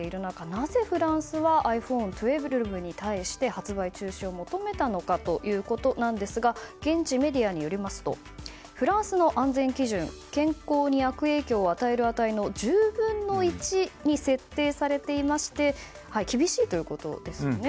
なぜフランスはｉＰｈｏｎｅ１２に対して発売中止を求めたのかということなんですが現地メディアによりますとフランスの安全基準健康に悪影響を与える値の１０分の１に設定されていまして厳しいということですよね。